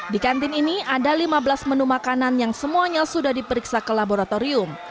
di kantin ini ada lima belas menu makanan yang semuanya sudah diperiksa ke laboratorium